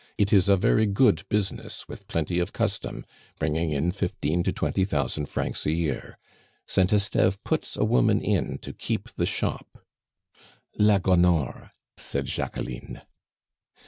It is a very good business, with plenty of custom, bringing in fifteen to twenty thousand francs a year. Saint Esteve puts a woman in to keep the shop " "La Gonore," said Jacqueline.